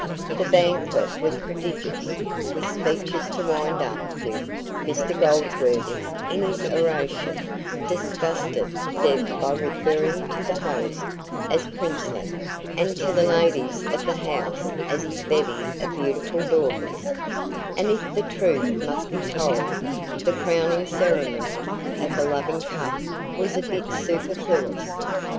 The banquet was prodigious, with speeches to wind up with (Mr Goldsworthy, in his oration, disgusted Deb by referring to the host as "princely", and to the ladies of the house as his "bevy of beautiful daughters"); and if the truth must be told, the crowning ceremony of the loving cup was a bit superfluous.